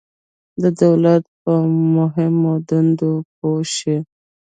د دولت په مهمو دندو پوه شئ.